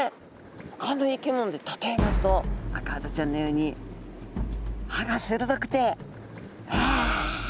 ほかの生き物で例えますとアカハタちゃんのように歯が鋭くてわわ！